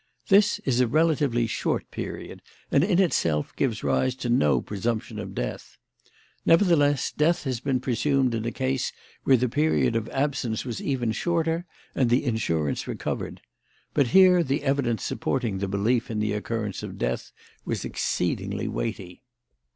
This is a relatively short period, and in itself gives rise to no presumption of death. Nevertheless, death has been presumed in a case where the period of absence was even shorter and the insurance recovered; but here the evidence supporting the belief in the occurrence of death was exceedingly weighty.